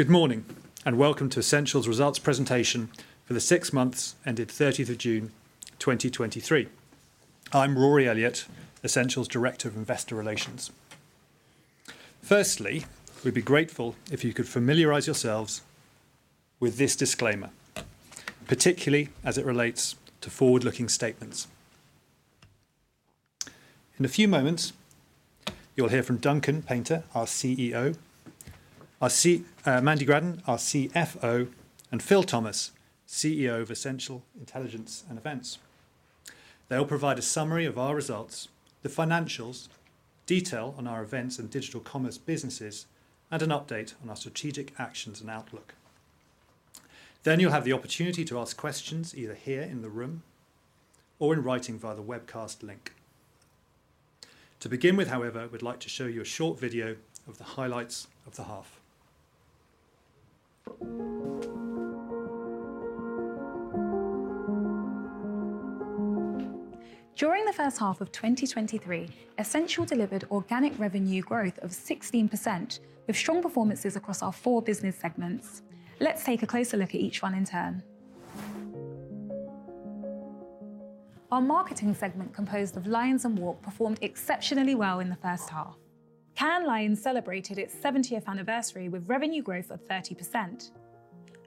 Good morning, and welcome to Ascential's results presentation for the six months ended 30th of June 2023. I'm Rory Elliott, Ascential's Director of Investor Relations. Firstly, we'd be grateful if you could familiarize yourselves with this disclaimer, particularly as it relates to forward-looking statements. In a few moments, you'll hear from Duncan Painter, our CEO, Mandy Gradden, our CFO, and Phil Thomas, CEO of Ascential Intelligence and Events. They'll provide a summary of our results, the financials, detail on our events and digital commerce businesses, and an update on our strategic actions and outlook. Then you'll have the opportunity to ask questions, either here in the room or in writing via the webcast link. To begin with, however, we'd like to show you a short video of the highlights of the half. During the first half of 2023, Ascential delivered organic revenue growth of 16%, with strong performances across our four business segments. Let's take a closer look at each one in turn. Our marketing segment, composed of Lions and WARC, performed exceptionally well in the first half. Cannes Lions celebrated its 70th anniversary with revenue growth of 30%.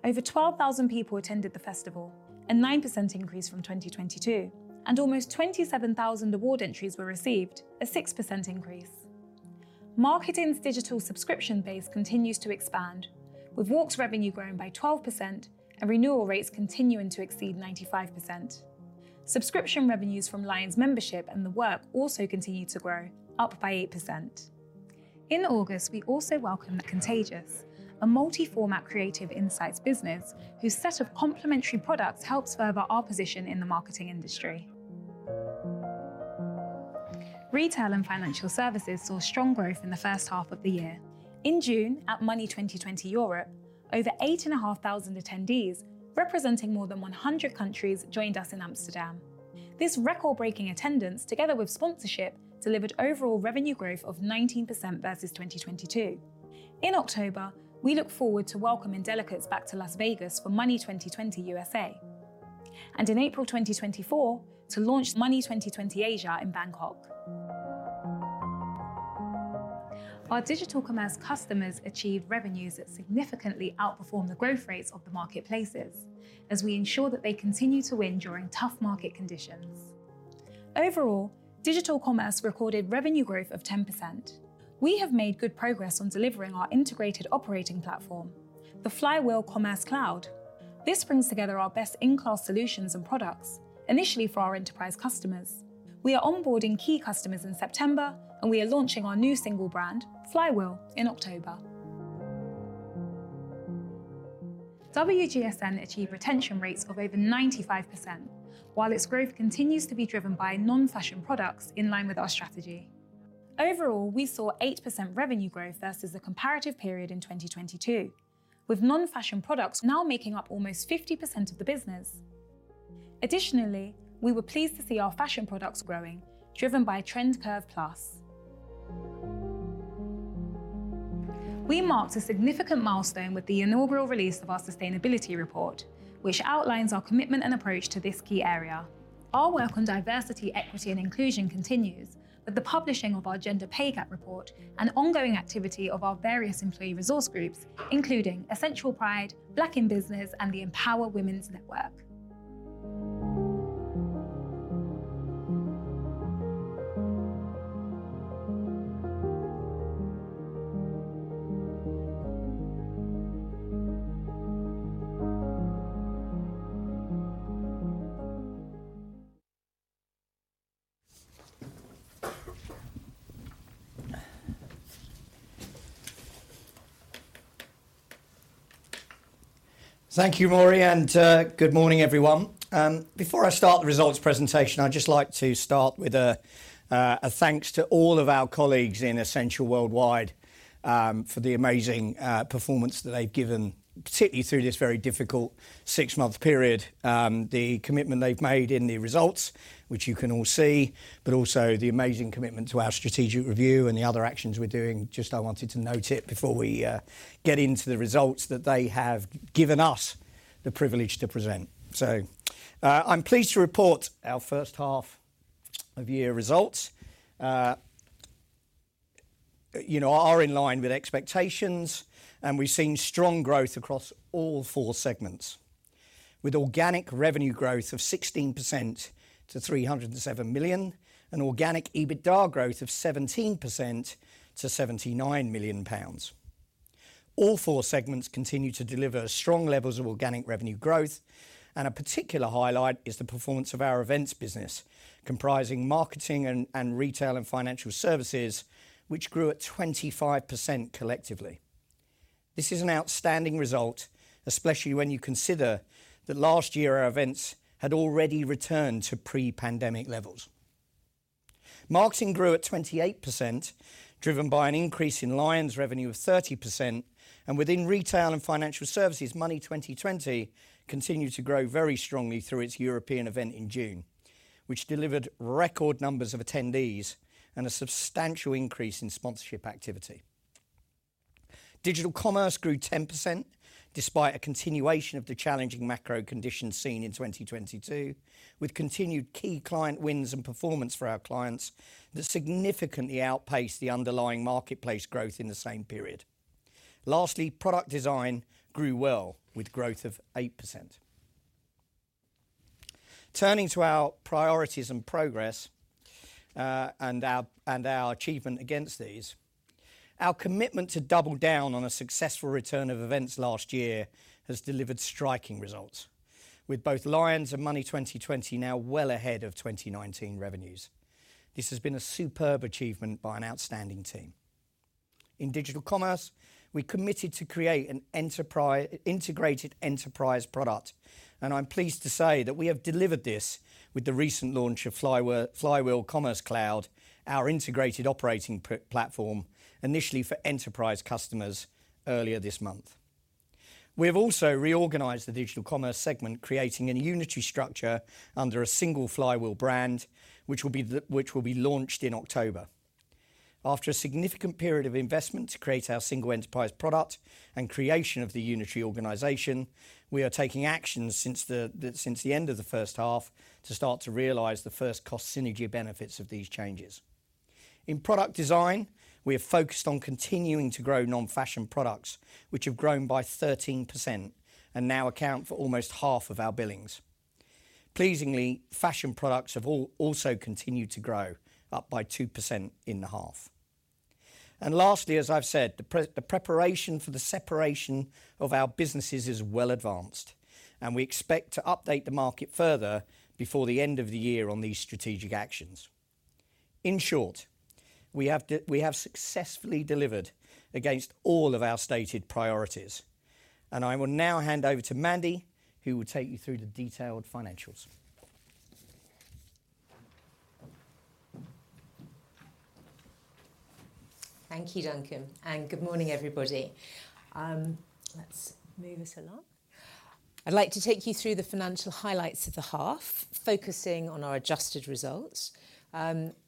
Over 12,000 people attended the festival, a 9% increase from 2022, and almost 27,000 award entries were received, a 6% increase. Marketing's digital subscription base continues to expand, with WARC's revenue growing by 12% and renewal rates continuing to exceed 95%. Subscription revenues from Lions Membership and WARC also continued to grow, up by 8%. In August, we also welcomed Contagious, a multi-format creative insights business, whose set of complementary products helps further our position in the marketing industry. Retail and financial services saw strong growth in the first half of the year. In June, at Money20/20 Europe, over 8,500 attendees, representing more than 100 countries, joined us in Amsterdam. This record-breaking attendance, together with sponsorship, delivered overall revenue growth of 19% versus 2022. In October, we look forward to welcoming delegates back to Las Vegas for Money20/20 USA, and in April 2024, to launch Money20/20 Asia in Bangkok. Our digital commerce customers achieved revenues that significantly outperformed the growth rates of the marketplaces, as we ensure that they continue to win during tough market conditions. Overall, digital commerce recorded revenue growth of 10%. We have made good progress on delivering our integrated operating platform, the Flywheel Commerce Cloud. This brings together our best-in-class solutions and products, initially for our enterprise customers. We are onboarding key customers in September, and we are launching our new single brand, Flywheel, in October. WGSN achieved retention rates of over 95%, while its growth continues to be driven by non-fashion products in line with our strategy. Overall, we saw 8% revenue growth versus the comparative period in 2022, with non-fashion products now making up almost 50% of the business. Additionally, we were pleased to see our fashion products growing, driven by TrendCurve+. We marked a significant milestone with the inaugural release of our sustainability report, which outlines our commitment and approach to this key area. Our work on diversity, equity, and inclusion continues, with the publishing of our gender pay gap report and ongoing activity of our various employee resource groups, including Ascential Pride, Black in Business, and the Empower Women's Network. Thank you, Rory, and good morning, everyone. Before I start the results presentation, I'd just like to start with a thanks to all of our colleagues in Ascential worldwide, for the amazing performance that they've given, particularly through this very difficult six-month period. The commitment they've made in the results, which you can all see, but also the amazing commitment to our strategic review and the other actions we're doing. Just I wanted to note it before we get into the results that they have given us the privilege to present. I'm pleased to report our first half of year results, you know, are in line with expectations, and we've seen strong growth across all four segments, with organic revenue growth of 16% to 307 million and organic EBITDA growth of 17% to 79 million pounds. All four segments continue to deliver strong levels of organic revenue growth, and a particular highlight is the performance of our events business, comprising marketing and, and retail and financial services, which grew at 25% collectively. This is an outstanding result, especially when you consider that last year our events had already returned to pre-pandemic levels. Marketing grew at 28%, driven by an increase in Lions revenue of 30%, and within retail and financial services, Money20/20 continued to grow very strongly through its European event in June, which delivered record numbers of attendees and a substantial increase in sponsorship activity. Digital commerce grew 10%, despite a continuation of the challenging macro conditions seen in 2022, with continued key client wins and performance for our clients that significantly outpaced the underlying marketplace growth in the same period. Lastly, product design grew well, with growth of 8%. Turning to our priorities and progress, and our achievement against these. Our commitment to double down on a successful return of events last year has delivered striking results, with both Lions and Money20/20 now well ahead of 2019 revenues. This has been a superb achievement by an outstanding team. In digital commerce, we committed to create an integrated enterprise product, and I'm pleased to say that we have delivered this with the recent launch of Flywheel Commerce Cloud, our integrated operating platform, initially for enterprise customers earlier this month. We have also reorganized the digital commerce segment, creating a unitary structure under a single Flywheel brand, which will be launched in October. After a significant period of investment to create our single enterprise product and creation of the unitary organization, we are taking actions since the end of the first half to start to realize the first cost synergy benefits of these changes. In product design, we have focused on continuing to grow non-fashion products, which have grown by 13% and now account for almost half of our billings. Pleasingly, fashion products have also continued to grow, up by 2% in the half. And lastly, as I've said, the preparation for the separation of our businesses is well advanced, and we expect to update the market further before the end of the year on these strategic actions. In short, we have successfully delivered against all of our stated priorities, and I will now hand over to Mandy, who will take you through the detailed financials. Thank you, Duncan, and good morning, everybody. Let's move this along. I'd like to take you through the financial highlights of the half, focusing on our adjusted results.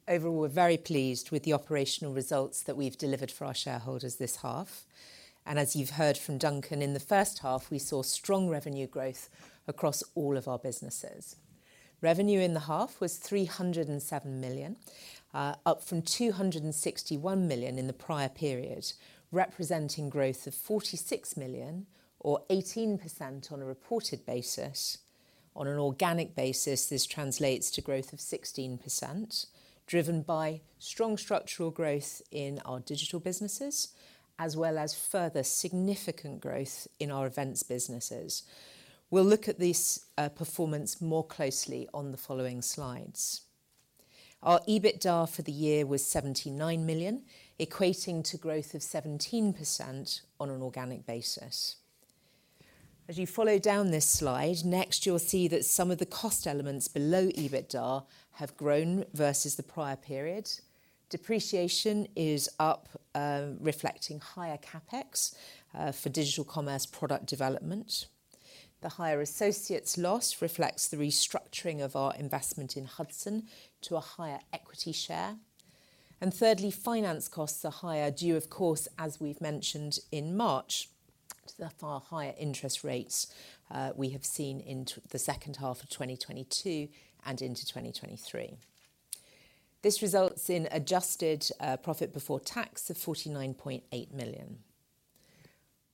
Overall, we're very pleased with the operational results that we've delivered for our shareholders this half, and as you've heard from Duncan, in the first half, we saw strong revenue growth across all of our businesses. Revenue in the half was 307 million, up from 261 million in the prior period, representing growth of 46 million or 18% on a reported basis. On an organic basis, this translates to growth of 16%, driven by strong structural growth in our digital businesses, as well as further significant growth in our events businesses. We'll look at this performance more closely on the following slides. Our EBITDA for the year was 79 million, equating to growth of 17% on an organic basis. As you follow down this slide, next you'll see that some of the cost elements below EBITDA have grown versus the prior period. Depreciation is up, reflecting higher CapEx for digital commerce product development. The higher associates loss reflects the restructuring of our investment in Hudson to a higher equity share. And thirdly, finance costs are higher due, of course, as we've mentioned in March, to the far higher interest rates we have seen in the second half of 2022 and into 2023. This results in adjusted profit before tax of 49.8 million.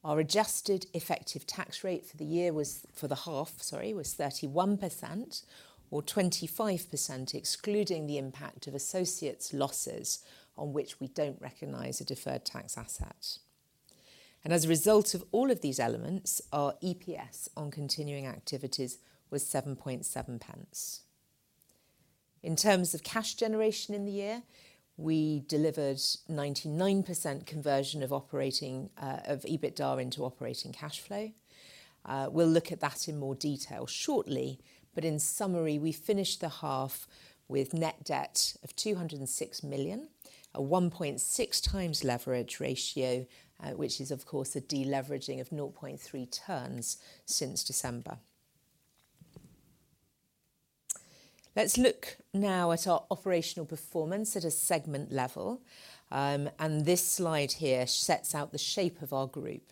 Our adjusted effective tax rate for the year was, for the half, sorry, 31% or 25%, excluding the impact of associates' losses, on which we don't recognize a deferred tax asset. As a result of all of these elements, our EPS on continuing activities was 0.077. In terms of cash generation in the year, we delivered 99% conversion of operating, of EBITDA into operating cashflow. We'll look at that in more detail shortly, but in summary, we finished the half with net debt of 206 million, a 1.6x leverage ratio, which is of course a deleveraging of 0.3 turns since December. Let's look now at our operational performance at a segment level, and this slide here sets out the shape of our group.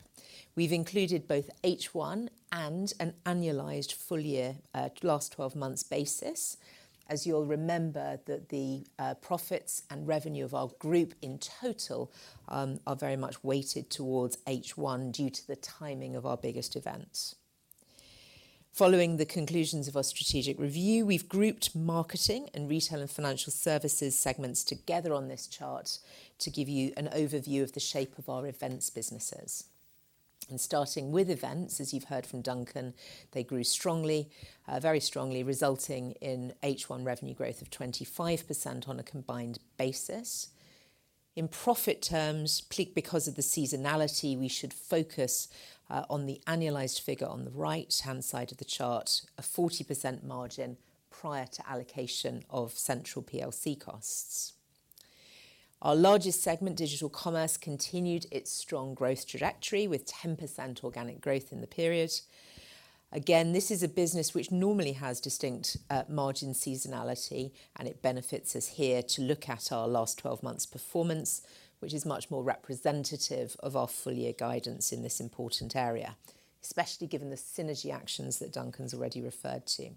We've included both H1 and an annualized full year, last twelve months basis. As you'll remember, the profits and revenue of our group in total are very much weighted towards H1 due to the timing of our biggest events. Following the conclusions of our strategic review, we've grouped marketing and retail and financial services segments together on this chart to give you an overview of the shape of our events businesses. Starting with events, as you've heard from Duncan, they grew strongly, very strongly, resulting in H1 revenue growth of 25% on a combined basis. In profit terms, because of the seasonality, we should focus on the annualized figure on the right-hand side of the chart, a 40% margin prior to allocation of central PLC costs. Our largest segment, Digital Commerce, continued its strong growth trajectory with 10% organic growth in the period. Again, this is a business which normally has distinct margin seasonality, and it benefits us here to look at our last 12 months' performance, which is much more representative of our full year guidance in this important area, especially given the synergy actions that Duncan's already referred to.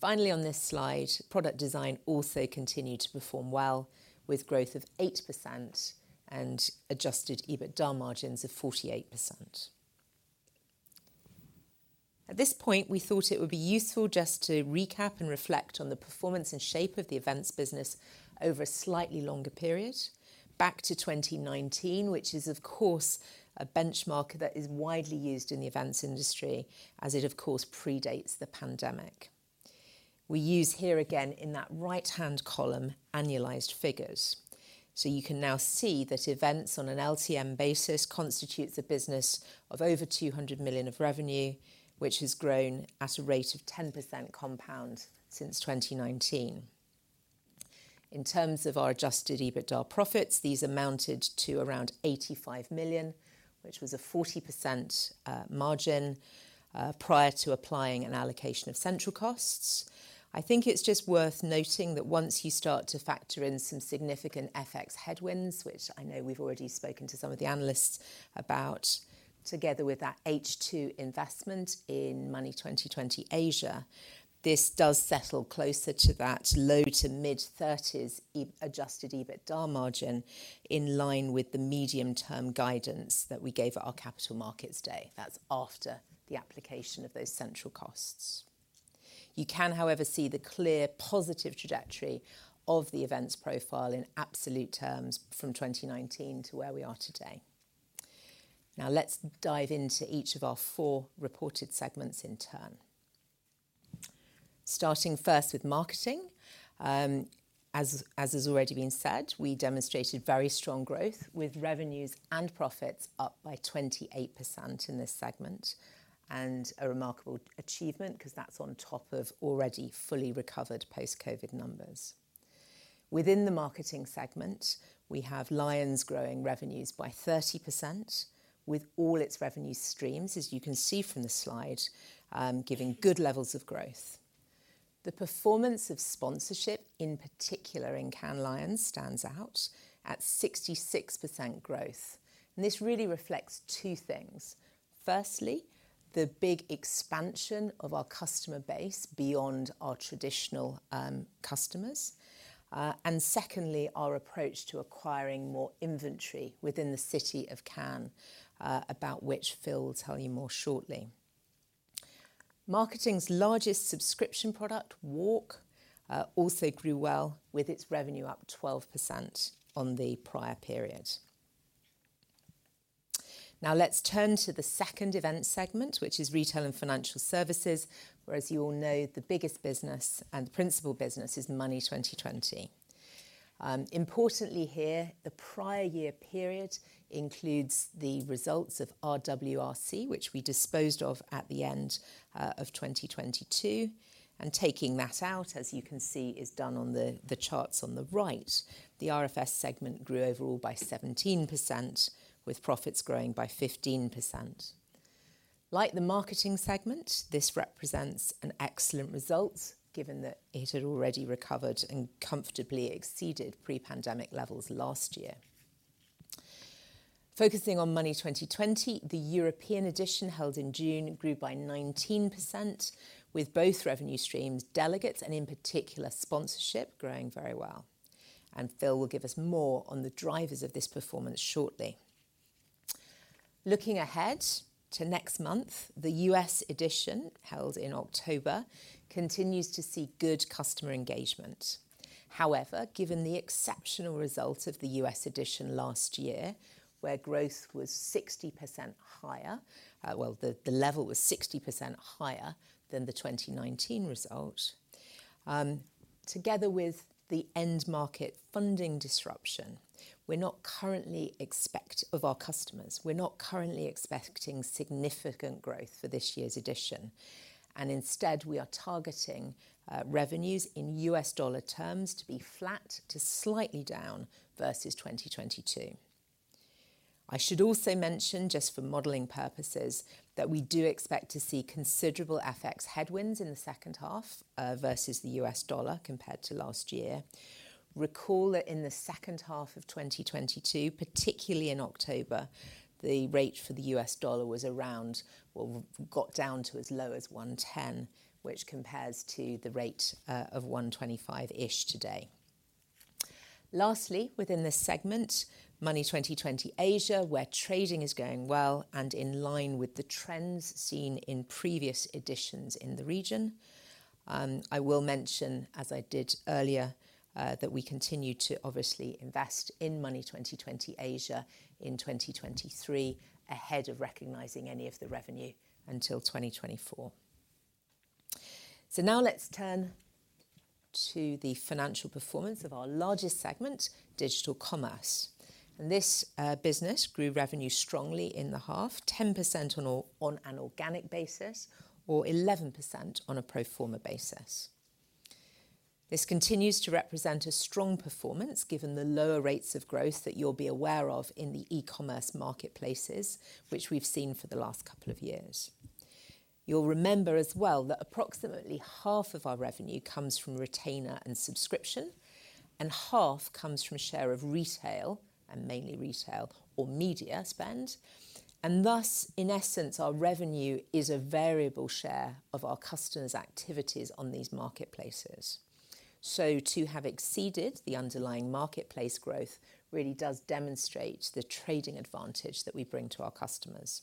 Finally, on this slide, Product Design also continued to perform well, with growth of 8% and Adjusted EBITDA margins of 48%. At this point, we thought it would be useful just to recap and reflect on the performance and shape of the events business over a slightly longer period, back to 2019, which is, of course, a benchmark that is widely used in the events industry as it, of course, predates the pandemic. We use here again, in that right-hand column, annualized figures. So you can now see that events on an LTM basis constitutes a business of over 200 million of revenue, which has grown at a rate of 10% compound since 2019. In terms of our Adjusted EBITDA profits, these amounted to around 85 million, which was a 40% margin, prior to applying an allocation of central costs. I think it's just worth noting that once you start to factor in some significant FX headwinds, which I know we've already spoken to some of the analysts about, together with that H2 investment in Money20/20 Asia, this does settle closer to that low-to-mid-30s EBITDA margin, in line with the medium-term guidance that we gave at our Capital Markets Day. That's after the application of those central costs. You can, however, see the clear positive trajectory of the events profile in absolute terms from 2019 to where we are today. Now, let's dive into each of our four reported segments in turn. Starting first with marketing. As has already been said, we demonstrated very strong growth, with revenues and profits up by 28% in this segment, and a remarkable achievement because that's on top of already fully recovered post-COVID numbers. Within the marketing segment, we have LIONS growing revenues by 30%, with all its revenue streams, as you can see from the slide, giving good levels of growth. The performance of sponsorship, in particular in Cannes Lions, stands out at 66% growth. This really reflects two things. Firstly, the big expansion of our customer base beyond our traditional customers. Secondly, our approach to acquiring more inventory within the city of Cannes, about which Phil will tell you more shortly. Marketing's largest subscription product, WARC, also grew well, with its revenue up 12% on the prior period. Now, let's turn to the second event segment, which is retail and financial services, where, as you all know, the biggest business and principal business is Money20/20. Importantly here, the prior year period includes the results of WARC, which we disposed of at the end of 2022, and taking that out, as you can see, is done on the charts on the right. The RFS segment grew overall by 17%, with profits growing by 15%. Like the marketing segment, this represents an excellent result, given that it had already recovered and comfortably exceeded pre-pandemic levels last year. Focusing on Money20/20 Europe, held in June, grew by 19%, with both revenue streams, delegates, and in particular, sponsorship, growing very well. Phil will give us more on the drivers of this performance shortly. Looking ahead to next month, the Money20/20 USA, held in October, continues to see good customer engagement. However, given the exceptional results of the Money20/20 USA last year, where growth was 60% higher, well, the level was 60% higher than the 2019 result, together with the end market funding disruption, we're not currently expecting significant growth for this year's edition, and instead, we are targeting revenues in US dollar terms to be flat to slightly down versus 2022. I should also mention, just for modeling purposes, that we do expect to see considerable FX headwinds in the second half, versus the US dollar, compared to last year. Recall that in the second half of 2022, particularly in October, the rate for the US dollar was around, well, got down to as low as 1.10, which compares to the rate, of 1.25-ish today. Lastly, within this segment, Money20/20 Asia, where trading is going well and in line with the trends seen in previous editions in the region. I will mention, as I did earlier, that we continue to obviously invest in Money20/20 Asia in 2023, ahead of recognizing any of the revenue until 2024. So now let's turn to the financial performance of our largest segment, Digital Commerce. This business grew revenue strongly in the half, 10% on an organic basis, or 11% on a pro forma basis. This continues to represent a strong performance, given the lower rates of growth that you'll be aware of in the e-commerce marketplaces, which we've seen for the last couple of years. You'll remember as well, that approximately half of our revenue comes from retainer and subscription, and half comes from share of retail, and mainly retail or media spend. And thus, in essence, our revenue is a variable share of our customers' activities on these marketplaces. So to have exceeded the underlying marketplace growth really does demonstrate the trading advantage that we bring to our customers.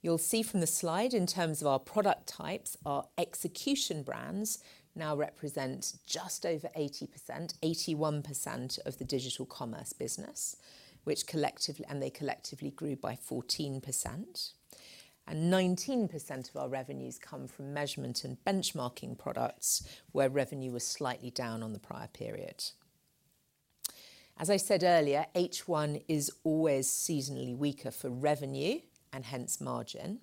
You'll see from the slide, in terms of our product types, our execution brands now represent just over 80%, 81% of the digital commerce business, which collectively- and they collectively grew by 14%. Nineteen percent of our revenues come from measurement and benchmarking products, where revenue was slightly down on the prior period. As I said earlier, H1 is always seasonally weaker for revenue and hence margin.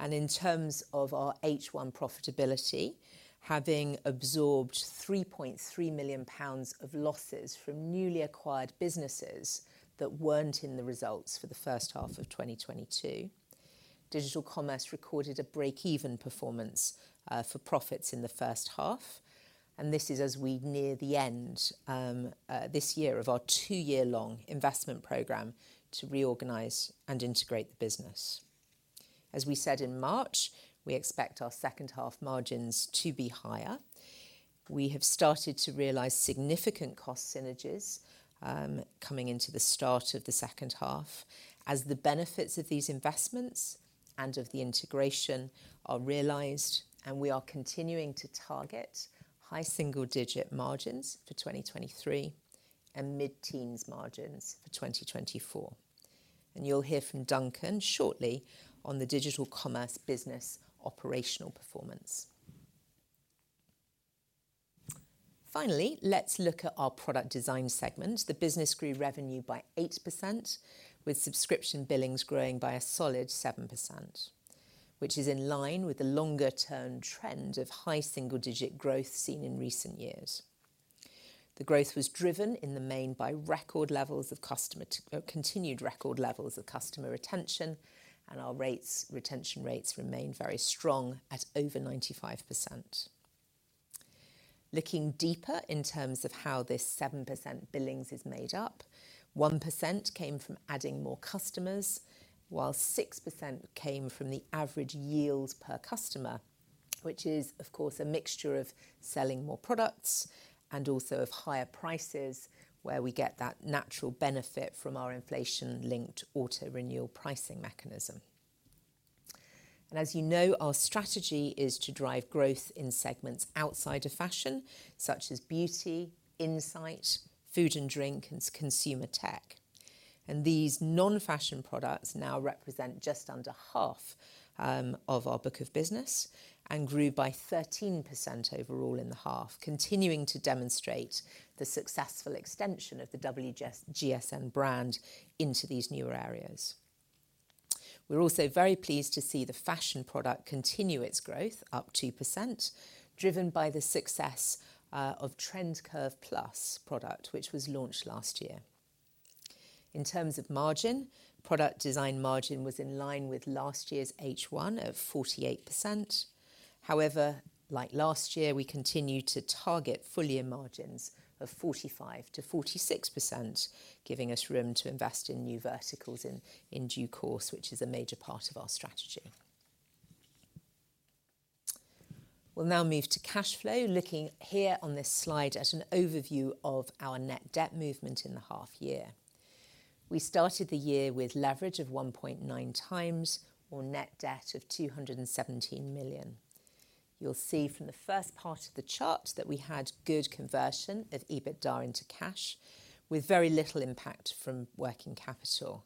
In terms of our H1 profitability, having absorbed 3.3 million pounds of losses from newly acquired businesses that weren't in the results for the first half of 2022, digital commerce recorded a break-even performance, for profits in the first half, and this is as we near the end, this year of our two-year-long investment program to reorganize and integrate the business. As we said in March, we expect our second half margins to be higher. We have started to realize significant cost synergies, coming into the start of the second half, as the benefits of these investments and of the integration are realized, and we are continuing to target high single-digit margins for 2023, and mid-teens margins for 2024. You'll hear from Duncan shortly on the digital commerce business operational performance. Finally, let's look at our product design segment. The business grew revenue by 8%, with subscription billings growing by a solid 7%, which is in line with the longer-term trend of high single-digit growth seen in recent years. The growth was driven in the main by record levels of continued record levels of customer retention, and our retention rates remain very strong at over 95%. Looking deeper in terms of how this 7% billings is made up, 1% came from adding more customers, while 6% came from the average yields per customer, which is, of course, a mixture of selling more products and also of higher prices, where we get that natural benefit from our inflation-linked auto-renewal pricing mechanism. As you know, our strategy is to drive growth in segments outside of fashion, such as beauty, insight, food and drink, and consumer tech. These non-fashion products now represent just under half of our book of business and grew by 13% overall in the half, continuing to demonstrate the successful extension of the WGSN brand into these newer areas. We're also very pleased to see the fashion product continue its growth up 2%, driven by the success of TrendCurve+ product, which was launched last year. In terms of margin, product design margin was in line with last year's H1 of 48%. However, like last year, we continued to target full year margins of 45%-46%, giving us room to invest in new verticals in due course, which is a major part of our strategy. We'll now move to cash flow, looking here on this slide at an overview of our net debt movement in the half year. We started the year with leverage of 1.9x or net debt of 217 million. You'll see from the first part of the chart that we had good conversion of EBITDA into cash, with very little impact from working capital.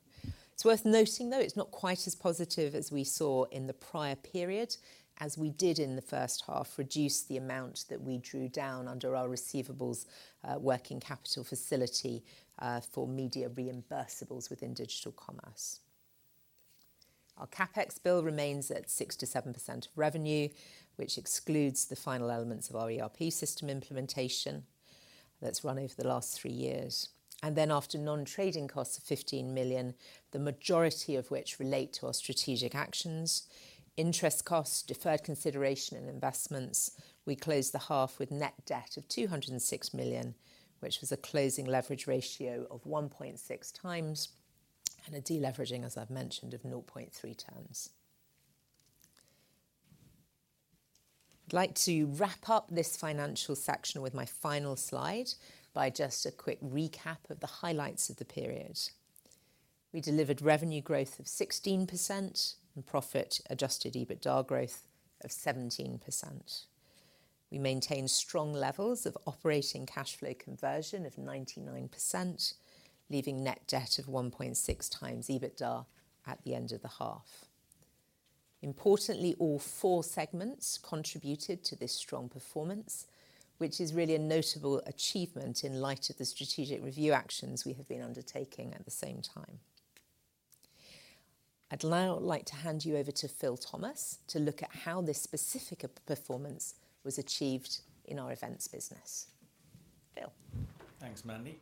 It's worth noting, though, it's not quite as positive as we saw in the prior period, as we did in the first half, reduce the amount that we drew down under our receivables, working capital facility, for media reimbursables within digital commerce. Our CapEx bill remains at 6-7% of revenue, which excludes the final elements of our ERP system implementation that's run over the last three years. And then, after non-trading costs of 15 million, the majority of which relate to our strategic actions, interest costs, deferred consideration and investments, we closed the half with net debt of 206 million, which was a closing leverage ratio of 1.6x and a deleveraging, as I've mentioned, of 0.3 times. I'd like to wrap up this financial section with my final slide by just a quick recap of the highlights of the period. We delivered revenue growth of 16% and profit adjusted EBITDA growth of 17%. We maintained strong levels of operating cash flow conversion of 99%, leaving net debt of 1.6x EBITDA at the end of the half. Importantly, all four segments contributed to this strong performance, which is really a notable achievement in light of the strategic review actions we have been undertaking at the same time. I'd now like to hand you over to Phil Thomas, to look at how this specific of performance was achieved in our events business. Phil? Thanks, Mandy.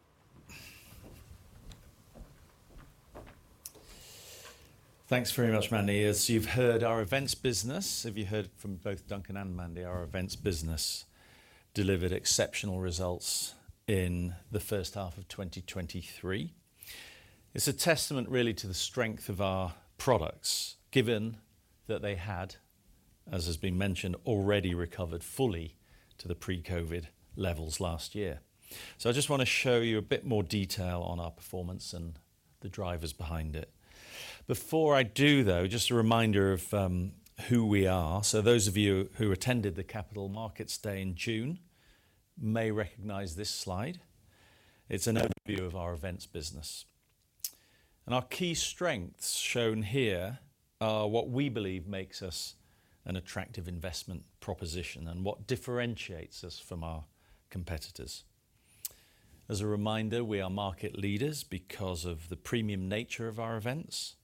Thanks very much, Mandy. As you've heard, our events business, as you heard from both Duncan and Mandy, our events business delivered exceptional results in the first half of 2023. It's a testament really to the strength of our products, given that they had, as has been mentioned, already recovered fully to the pre-COVID levels last year. So I just wanna show you a bit more detail on our performance and the drivers behind it. Before I do, though, just a reminder of who we are. So those of you who attended the Capital Markets Day in June may recognize this slide. It's an overview of our events business. And our key strengths shown here are what we believe makes us an attractive investment proposition and what differentiates us from our competitors. As a reminder, we are market leaders because of the premium nature of our events,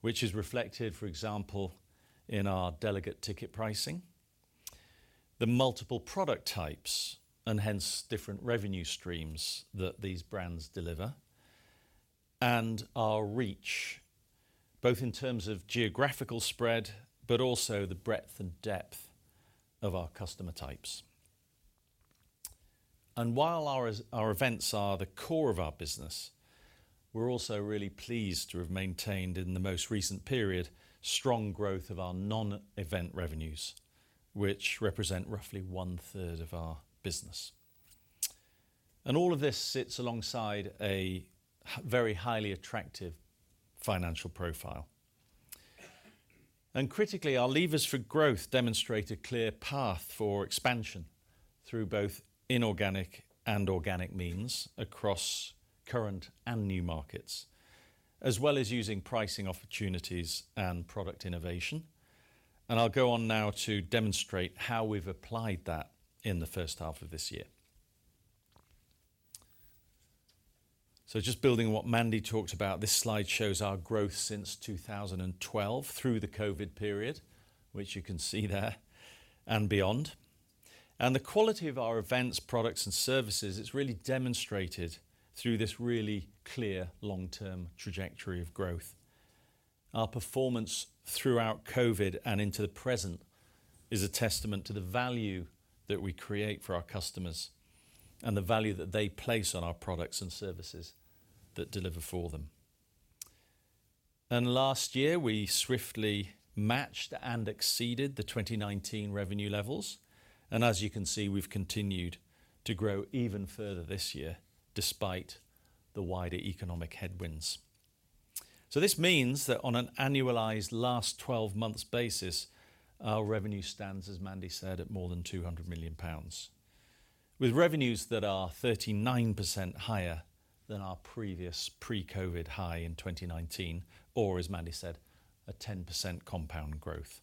which is reflected, for example, in our delegate ticket pricing, the multiple product types, and hence different revenue streams that these brands deliver, and our reach, both in terms of geographical spread, but also the breadth and depth of our customer types. And while our events are the core of our business, we're also really pleased to have maintained, in the most recent period, strong growth of our non-event revenues, which represent roughly one-third of our business. And all of this sits alongside a very highly attractive financial profile. And critically, our levers for growth demonstrate a clear path for expansion through both inorganic and organic means across current and new markets, as well as using pricing opportunities and product innovation. I'll go on now to demonstrate how we've applied that in the first half of this year. Just building on what Mandy talked about, this slide shows our growth since 2012 through the COVID period, which you can see there and beyond. The quality of our events, products, and services is really demonstrated through this really clear long-term trajectory of growth. Our performance throughout COVID and into the present is a testament to the value that we create for our customers and the value that they place on our products and services that deliver for them. Last year, we swiftly matched and exceeded the 2019 revenue levels, and as you can see, we've continued to grow even further this year, despite the wider economic headwinds. So this means that on an annualized last twelve months basis, our revenue stands, as Mandy said, at more than 200 million pounds, with revenues that are 39% higher than our previous pre-COVID high in 2019, or, as Mandy said, a 10% compound growth.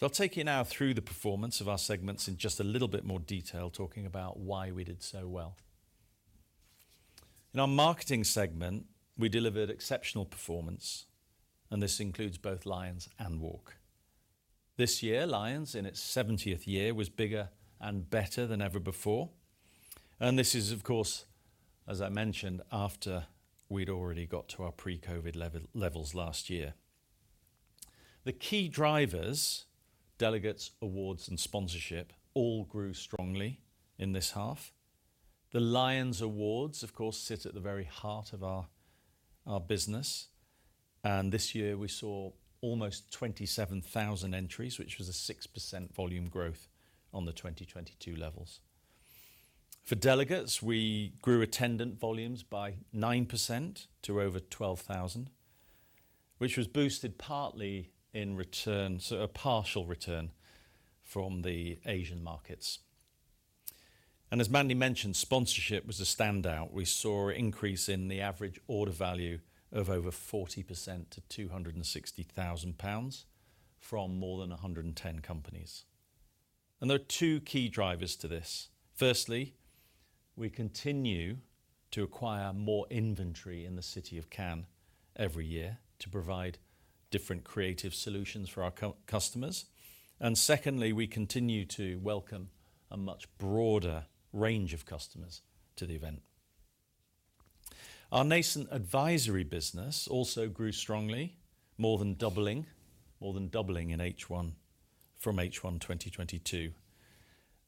So I'll take you now through the performance of our segments in just a little bit more detail, talking about why we did so well. In our marketing segment, we delivered exceptional performance, and this includes both Lions and WARC. This year, Lions, in its 70th year, was bigger and better than ever before, and this is, of course, as I mentioned, after we'd already got to our pre-COVID level, levels last year. The key drivers, delegates, awards, and sponsorship, all grew strongly in this half. The Lions Awards, of course, sit at the very heart of our business, and this year we saw almost 27,000 entries, which was a 6% volume growth on the 2022 levels. For delegates, we grew attendance volumes by 9% to over 12,000, which was boosted partly in return... so a partial return from the Asian markets. As Mandy mentioned, sponsorship was a standout. We saw an increase in the average order value of over 40% to 260,000 pounds from more than 110 companies. There are two key drivers to this. Firstly, we continue to acquire more inventory in the city of Cannes every year to provide different creative solutions for our customers. Secondly, we continue to welcome a much broader range of customers to the event. Our nascent advisory business also grew strongly, more than doubling, more than doubling in H1 from H1 2022.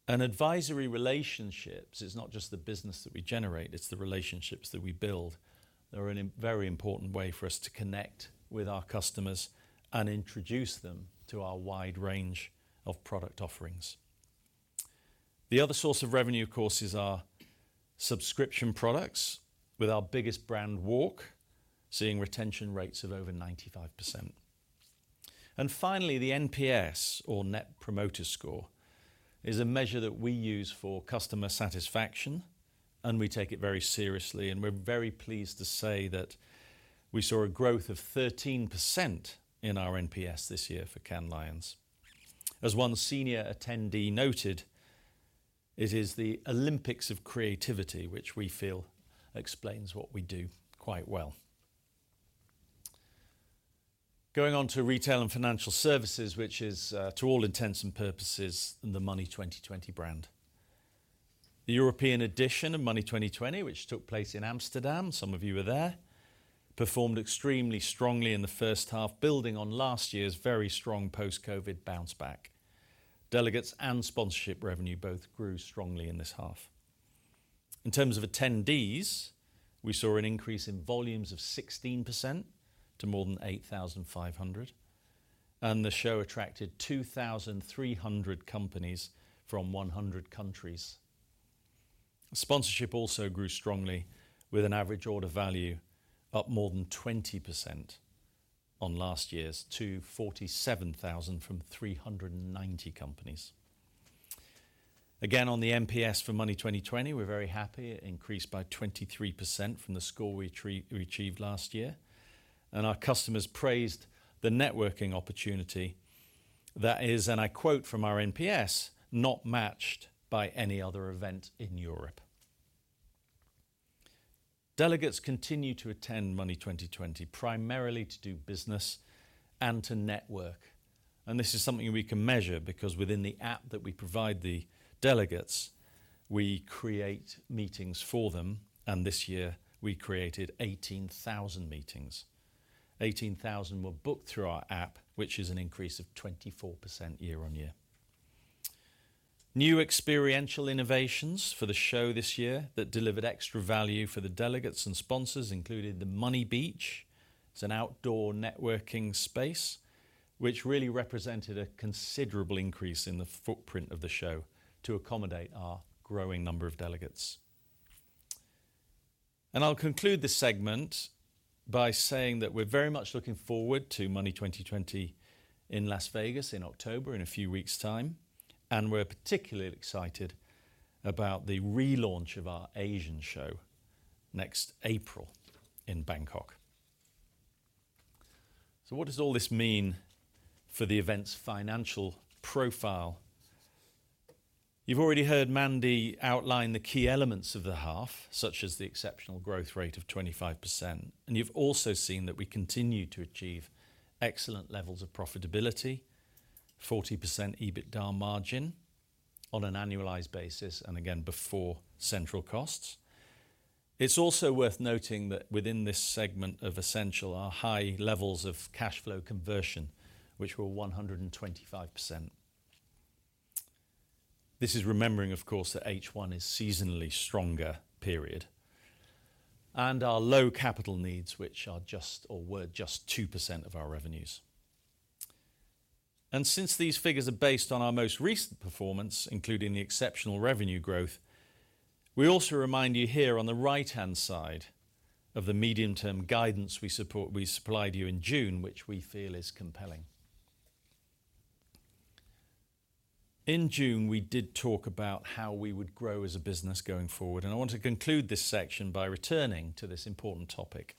Advisory relationships, it's not just the business that we generate, it's the relationships that we build, are a very important way for us to connect with our customers and introduce them to our wide range of product offerings. The other source of revenue, of course, is our subscription products, with our biggest brand, WARC, seeing retention rates of over 95%. Finally, the NPS, or Net Promoter Score, is a measure that we use for customer satisfaction, and we take it very seriously, and we're very pleased to say that we saw a growth of 13% in our NPS this year for Cannes Lions. As one senior attendee noted, it is the Olympics of creativity, which we feel explains what we do quite well. Going on to Retail and Financial Services, which is, to all intents and purposes, the Money20/20 brand. The European edition of Money20/20, which took place in Amsterdam, some of you were there, performed extremely strongly in the first half, building on last year's very strong post-COVID bounce back. Delegates and sponsorship revenue both grew strongly in this half. In terms of attendees, we saw an increase in volumes of 16% to more than 8,500, and the show attracted 2,300 companies from 100 countries. Sponsorship also grew strongly, with an average order value up more than 20% on last year's to 47,000 from 390 companies. Again, on the NPS for Money20/20, we're very happy. It increased by 23% from the score we achieved last year, and our customers praised the networking opportunity that is, and I quote from our NPS, "Not matched by any other event in Europe." Delegates continue to attend Money20/20, primarily to do business and to network. And this is something we can measure because within the app that we provide the delegates, we create meetings for them, and this year we created 18,000 meetings. 18,000 were booked through our app, which is an increase of 24% year-on-year. New experiential innovations for the show this year that delivered extra value for the delegates and sponsors included the Money Beach. It's an outdoor networking space, which really represented a considerable increase in the footprint of the show to accommodate our growing number of delegates. I'll conclude this segment by saying that we're very much looking forward to Money20/20 in Las Vegas in October, in a few weeks' time, and we're particularly excited about the relaunch of our Asian show next April in Bangkok. So what does all this mean for the event's financial profile? You've already heard Mandy outline the key elements of the half, such as the exceptional growth rate of 25%, and you've also seen that we continue to achieve excellent levels of profitability, 40% EBITDA margin on an annualized basis, and again, before central costs. It's also worth noting that within this segment of Ascential, our high levels of cash flow conversion, which were 125%. This is remembering, of course, that H1 is seasonally stronger period, and our low capital needs, which are just or were just 2% of our revenues. Since these figures are based on our most recent performance, including the exceptional revenue growth, we also remind you here on the right-hand side of the medium-term guidance we supplied you in June, which we feel is compelling. In June, we did talk about how we would grow as a business going forward, and I want to conclude this section by returning to this important topic.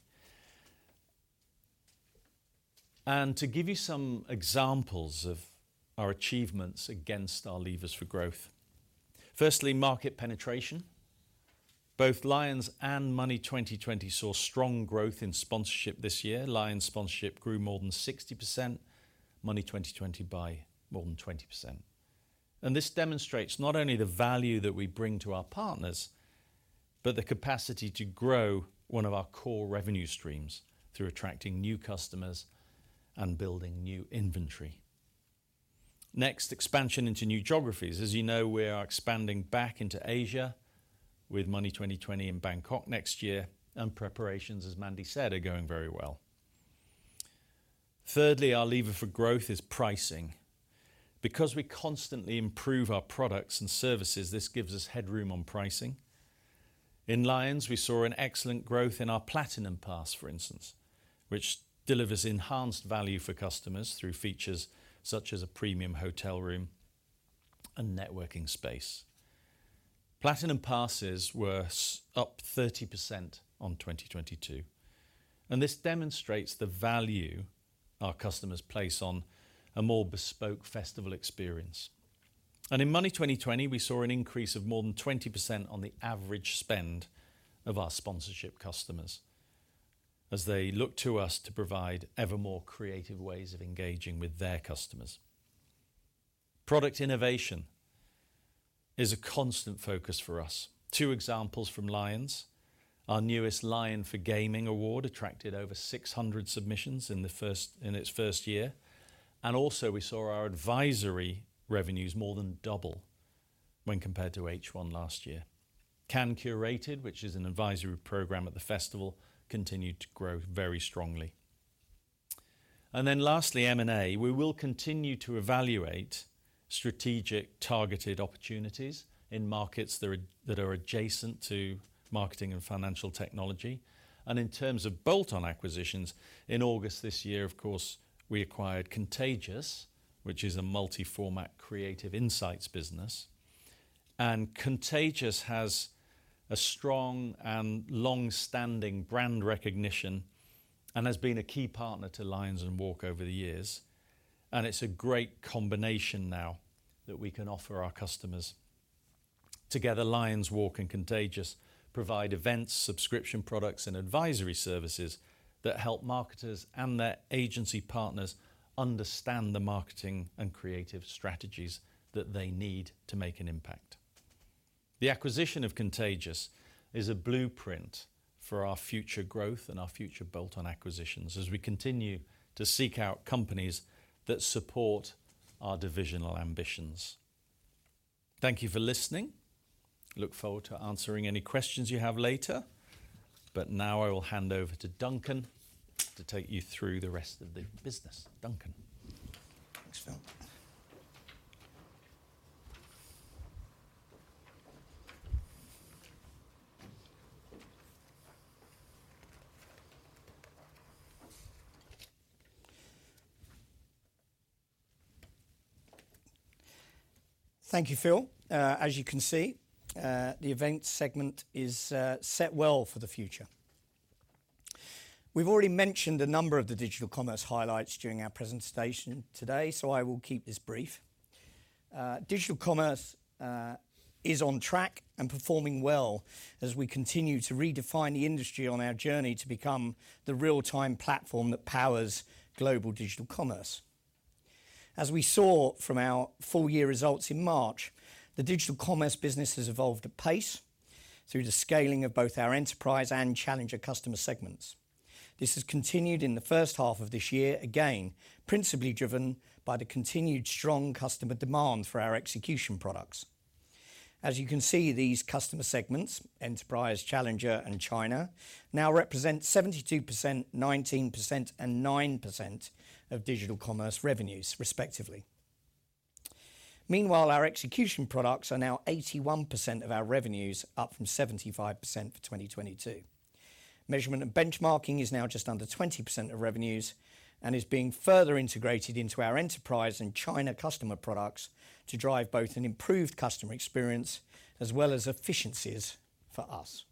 To give you some examples of our achievements against our levers for growth. Firstly, market penetration. Both LIONS and Money20/20 saw strong growth in sponsorship this year. LIONS sponsorship grew more than 60%, Money20/20 by more than 20%. This demonstrates not only the value that we bring to our partners, but the capacity to grow one of our core revenue streams through attracting new customers and building new inventory. Next, expansion into new geographies. As you know, we are expanding back into Asia with Money20/20 in Bangkok next year, and preparations, as Mandy said, are going very well. Thirdly, our lever for growth is pricing. Because we constantly improve our products and services, this gives us headroom on pricing. In Lions, we saw an excellent growth in our Platinum Pass, for instance, which delivers enhanced value for customers through features such as a premium hotel room and networking space. Platinum passes were up 30% on 2022, and this demonstrates the value our customers place on a more bespoke festival experience. And in Money20/20, we saw an increase of more than 20% on the average spend of our sponsorship customers as they look to us to provide ever more creative ways of engaging with their customers. Product innovation is a constant focus for us. Two examples from Lions. Our newest Lion for Gaming award attracted over 600 submissions in its first year, and also we saw our advisory revenues more than double when compared to H1 last year. Cannes Curated, which is an advisory program at the festival, continued to grow very strongly. Then lastly, M&A. We will continue to evaluate strategic, targeted opportunities in markets that are, that are adjacent to marketing and financial technology. In terms of bolt-on acquisitions, in August this year, of course, we acquired Contagious, which is a multi-format creative insights business. Contagious has a strong and long-standing brand recognition and has been a key partner to Lions and WARC over the years... and it's a great combination now that we can offer our customers. Together, Lions WARC and Contagious provide events, subscription products, and advisory services that help marketers and their agency partners understand the marketing and creative strategies that they need to make an impact. The acquisition of Contagious is a blueprint for our future growth and our future built on acquisitions, as we continue to seek out companies that support our divisional ambitions. Thank you for listening. Look forward to answering any questions you have later, but now I will hand over to Duncan to take you through the rest of the business. Duncan? Thanks, Phil. Thank you, Phil. As you can see, the event segment is set well for the future. We've already mentioned a number of the digital commerce highlights during our presentation today, so I will keep this brief. Digital commerce is on track and performing well as we continue to redefine the industry on our journey to become the real-time platform that powers global digital commerce. As we saw from our full year results in March, the digital commerce business has evolved at pace through the scaling of both our enterprise and challenger customer segments. This has continued in the first half of this year, again, principally driven by the continued strong customer demand for our execution products. As you can see, these customer segments, Enterprise, Challenger, and China, now represent 72%, 19%, and 9% of digital commerce revenues, respectively. Meanwhile, our execution products are now 81% of our revenues, up from 75% for 2022. Measurement and benchmarking is now just under 20% of revenues and is being further integrated into our enterprise and China customer products to drive both an improved customer experience as well as efficiencies for us.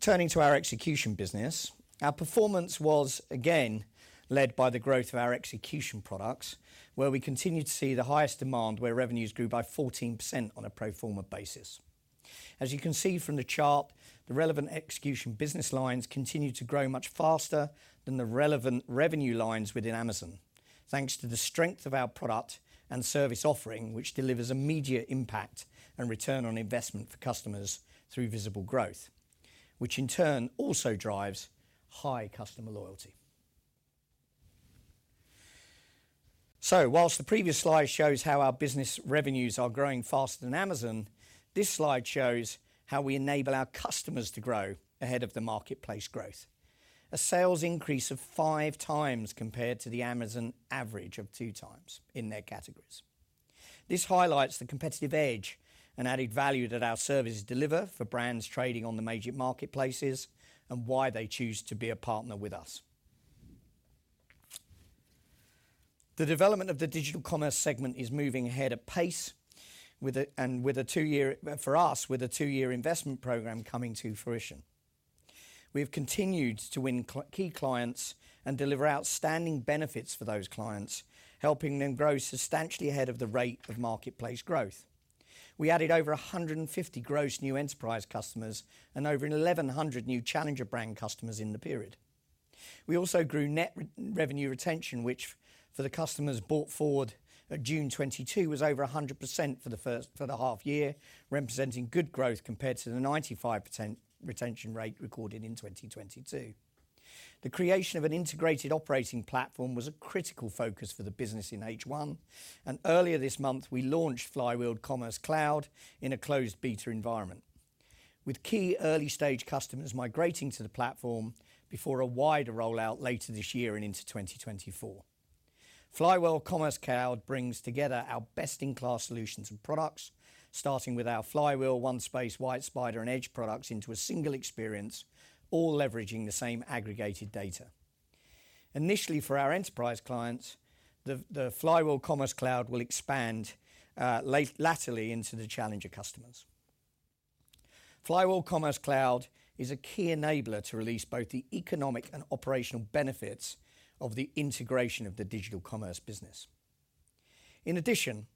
Turning to our execution business, our performance was again led by the growth of our execution products, where we continued to see the highest demand, where revenues grew by 14% on a pro forma basis. As you can see from the chart, the relevant execution business lines continued to grow much faster than the relevant revenue lines within Amazon, thanks to the strength of our product and service offering, which delivers immediate impact and return on investment for customers through visible growth, which in turn also drives high customer loyalty. Whilst the previous slide shows how our business revenues are growing faster than Amazon, this slide shows how we enable our customers to grow ahead of the marketplace growth. A sales increase of 5x compared to the Amazon average of 2x in their categories. This highlights the competitive edge and added value that our services deliver for brands trading on the major marketplaces, and why they choose to be a partner with us. The development of the digital commerce segment is moving ahead at pace, with a two-year, for us, with a two-year investment program coming to fruition. We have continued to win key clients and deliver outstanding benefits for those clients, helping them grow substantially ahead of the rate of marketplace growth. We added over 150 gross new enterprise customers and over 1,100 new challenger brand customers in the period. We also grew net revenue retention, which for the customers brought forward at June 2022, was over 100% for the first half year, representing good growth compared to the 95% retention rate recorded in 2022. The creation of an integrated operating platform was a critical focus for the business in H1, and earlier this month, we launched Flywheel Commerce Cloud in a closed beta environment, with key early-stage customers migrating to the platform before a wider rollout later this year and into 2024. Flywheel Commerce Cloud brings together our best-in-class solutions and products, starting with our Flywheel, OneSpace, Whyte Spyder, and Edge products into a single experience, all leveraging the same aggregated data. Initially, for our enterprise clients, the Flywheel Commerce Cloud will expand laterally into the challenger customers. Flywheel Commerce Cloud is a key enabler to release both the economic and operational benefits of the integration of the digital commerce business. In addition,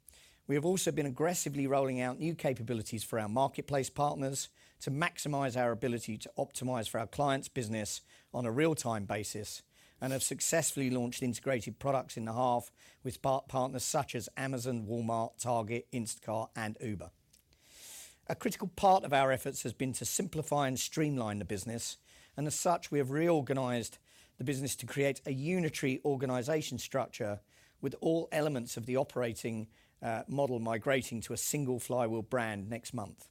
we have also been aggressively rolling out new capabilities for our marketplace partners to maximize our ability to optimize for our clients' business on a real-time basis, and have successfully launched integrated products in the half with partners such as Amazon, Walmart, Target, Instacart, and Uber. A critical part of our efforts has been to simplify and streamline the business, and as such, we have reorganized the business to create a unitary organization structure with all elements of the operating model migrating to a single Flywheel brand next month.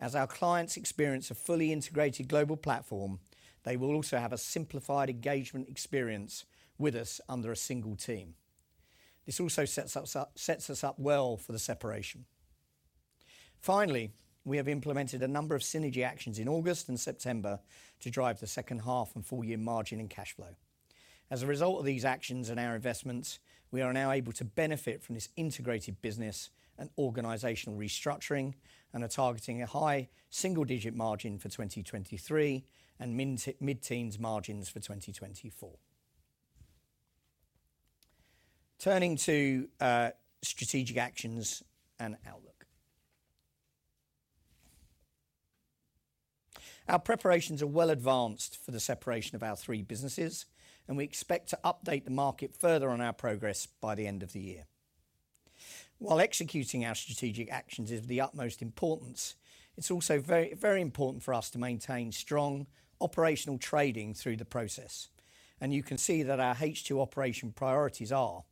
As our clients experience a fully integrated global platform, they will also have a simplified engagement experience with us under a single team. This also sets us up, sets us up well for the separation. Finally, we have implemented a number of synergy actions in August and September to drive the second half and full-year margin and cash flow. As a result of these actions and our investments, we are now able to benefit from this integrated business and organizational restructuring, and are targeting a high single-digit margin for 2023, and mid-teens margins for 2024. Turning to strategic actions and outlook. Our preparations are well advanced for the separation of our three businesses, and we expect to update the market further on our progress by the end of the year. While executing our strategic actions is of the utmost importance, it's also very, very important for us to maintain strong operational trading through the process, and you can see that our H2 operation priorities are: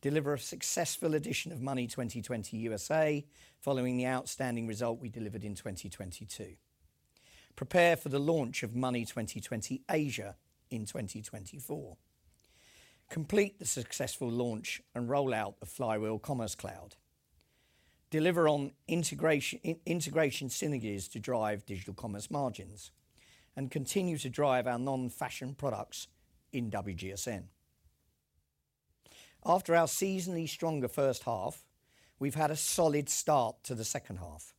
deliver a successful edition of Money20/20 USA, following the outstanding result we delivered in 2022. Prepare for the launch of Money20/20 Asia in 2024. Complete the successful launch and rollout of Flywheel Commerce Cloud. Deliver on integration synergies to drive digital commerce margins. And continue to drive our non-fashion products in WGSN. After our seasonally stronger first half, we've had a solid start to the second half.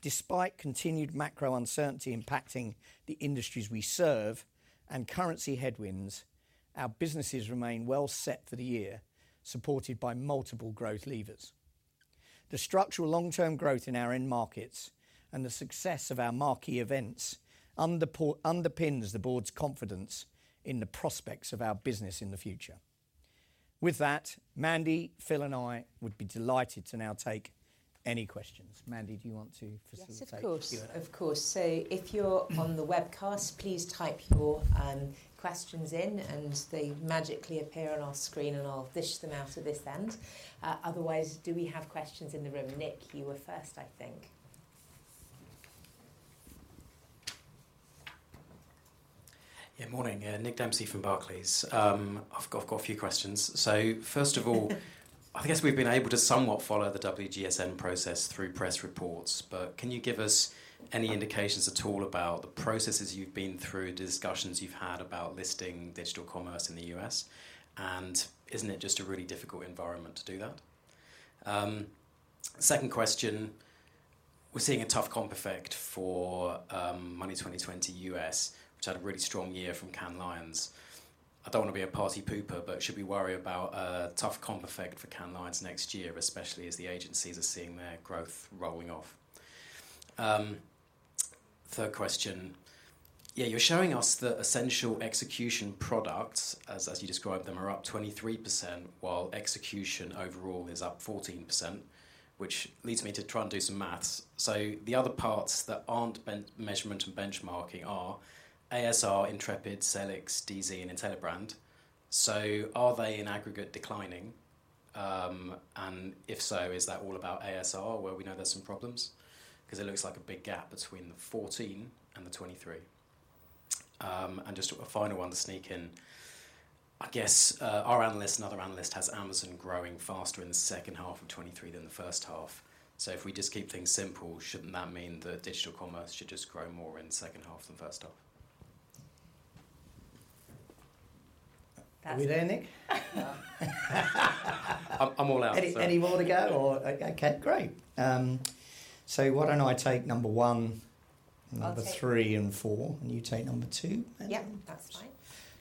Despite continued macro uncertainty impacting the industries we serve and currency headwinds, our businesses remain well set for the year, supported by multiple growth levers. The structural long-term growth in our end markets and the success of our marquee events underpins the board's confidence in the prospects of our business in the future. With that, Mandy, Phil, and I would be delighted to now take any questions. Mandy, do you want to facilitate- Yes, of course. Of course. So if you're on the webcast, please type your questions in, and they magically appear on our screen, and I'll fish them out of this end. Otherwise, do we have questions in the room? Nick, you were first, I think. Yeah, morning. Nick Dempsey from Barclays. I've got a few questions. So first of all, I guess we've been able to somewhat follow the WGSN process through press reports, but can you give us any indications at all about the processes you've been through, discussions you've had about listing digital commerce in the U.S.? And isn't it just a really difficult environment to do that? Second question: we're seeing a tough comp effect for Money20/20 USA, which had a really strong year from Cannes Lions. I don't want to be a party pooper, but should we worry about a tough comp effect for Cannes Lions next year, especially as the agencies are seeing their growth rolling off? Third question: yeah, you're showing us the Ascential execution products, as you describe them, are up 23%, while execution overall is up 14%, which leads me to try and do some maths. The other parts that aren't ben- measurement and benchmarking are ASR, Intrepid, Sellics, Duozhun, and Intellibrand. Are they, in aggregate, declining? If so, is that all about ASR, where we know there's some problems? 'Cause it looks like a big gap between the 14% and the 23%. Just a final one to sneak in: I guess our analyst, another analyst, has Amazon growing faster in the second half of 2023 than the first half. If we just keep things simple, shouldn't that mean that digital commerce should just grow more in the second half than first half? That's- Are we there, Nick? I'm all out, so. Any, any more to go, or... Okay, great. So why don't I take number one- I'll take-... number three and four, and you take number two, Mandy? Yep, that's fine.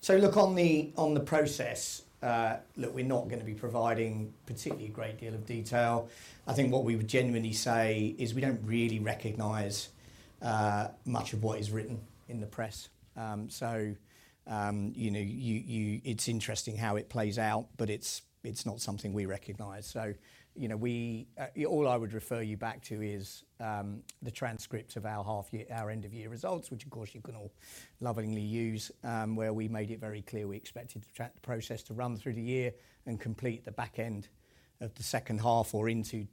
So look, on the, on the process, look, we're not gonna be providing particularly a great deal of detail. I think what we would genuinely say is we don't really recognize much of what is written in the press. So, you know, you, you it's interesting how it plays out, but it's, it's not something we recognize. So, you know, we, all I would refer you back to is the transcript of our half year- our end of year results, which of course, you can all lovingly use, where we made it very clear we expected the process to run through the year and complete the back end of the second half or into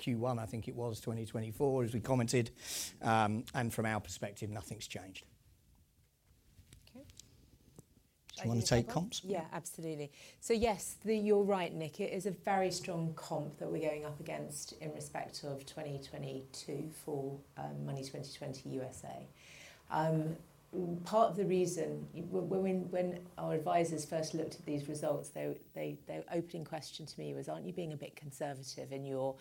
Q1, I think it was, 2024, as we commented. And from our perspective, nothing's changed. Okay. Do you want to take comps? Yeah, absolutely. So yes, the... You're right, Nick. It is a very strong comp that we're going up against in respect of 2022 for Money20/20 USA. Part of the reason when our advisors first looked at these results, their opening question to me was: "Aren't you being a bit conservative in your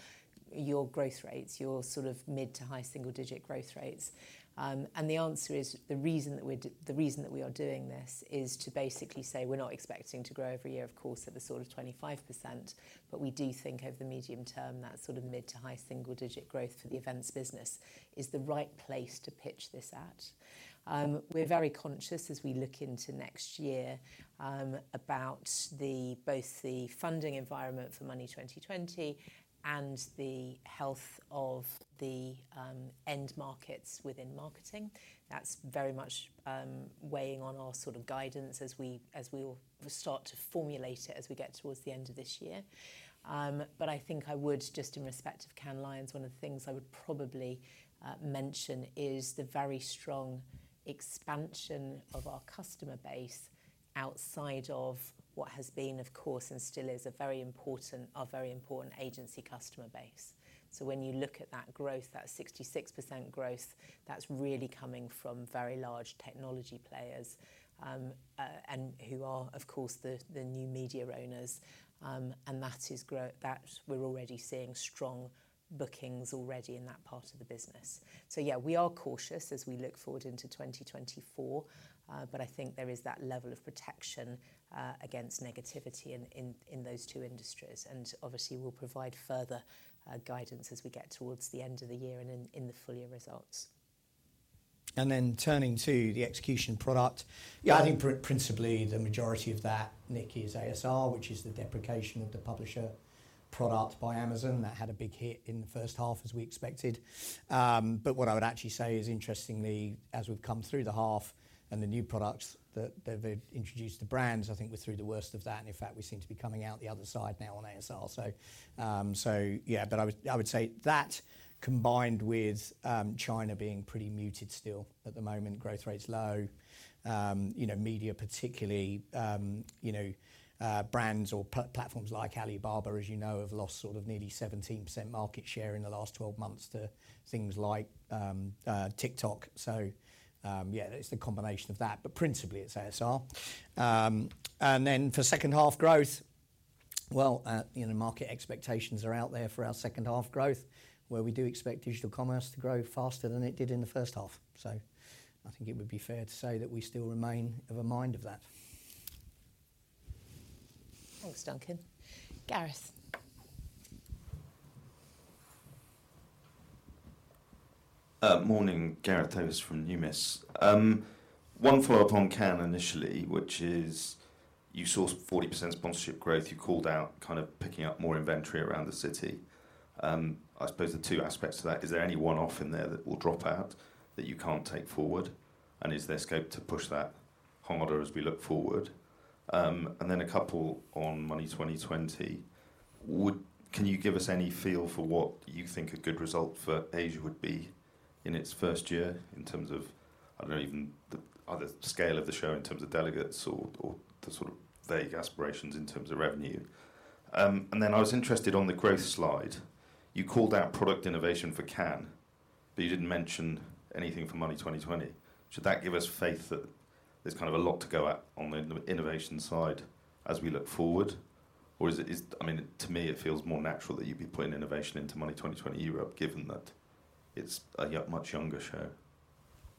growth rates, your sort of mid- to high-single-digit growth rates?" And the answer is, the reason that we are doing this is to basically say, we're not expecting to grow every year, of course, at the sort of 25%, but we do think over the medium term, that sort of mid- to high-single-digit growth for the events business is the right place to pitch this at. We're very conscious, as we look into next year, about both the funding environment for Money20/20 and the health of the end markets within marketing. That's very much weighing on our sort of guidance as we will start to formulate it as we get towards the end of this year. But I think I would, just in respect of Cannes Lions, one of the things I would probably mention is the very strong expansion of our customer base outside of what has been, of course, and still is a very important agency customer base. So when you look at that growth, that 66% growth, that's really coming from very large technology players and who are, of course, the new media owners. That we're already seeing strong bookings already in that part of the business. Yeah, we are cautious as we look forward into 2024, but I think there is that level of protection against negativity in those two industries, and obviously, we'll provide further guidance as we get towards the end of the year and in the full year results. Then turning to the execution product. Yeah, I think principally, the majority of that, Nicky, is ASR, which is the deprecation of the publisher product by Amazon. That had a big hit in the first half, as we expected. But what I would actually say is, interestingly, as we've come through the half and the new products that they've introduced to brands, I think we're through the worst of that, and in fact, we seem to be coming out the other side now on ASR. So, yeah, but I would say that combined with, China being pretty muted still at the moment, growth rate's low, you know, media particularly, you know, brands or platforms like Alibaba, as you know, have lost sort of nearly 17% market share in the last 12 months to things like, TikTok. So, yeah, it's the combination of that, but principally it's ASR. And then for second half growth, well, you know, market expectations are out there for our second half growth, where we do expect digital commerce to grow faster than it did in the first half. So I think it would be fair to say that we still remain of a mind of that. Thanks, Duncan. Gareth? Morning, Gareth Davies from Numis. One follow-up on Cannes initially, which is you saw 40% sponsorship growth. You called out kind of picking up more inventory around the city. I suppose there are two aspects to that. Is there any one-off in there that will drop out, that you can't take forward? Is there scope to push that harder as we look forward? And then a couple on Money20/20. Can you give us any feel for what you think a good result for Asia would be in its first year, in terms of, I don't know, even the other scale of the show, in terms of delegates or, or the sort of vague aspirations in terms of revenue? And then I was interested on the growth slide. You called out product innovation for Cannes, but you didn't mention anything for Money20/20. Should that give us faith that there's kind of a lot to go at on the innovation side as we look forward, or is it, I mean, to me, it feels more natural that you'd be putting innovation into Money20/20 Europe, given that it's a much younger show?